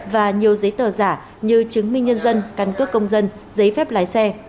và nhiều giấy tờ giả như chứng minh nhân dân căn cước công dân giấy phép lái xe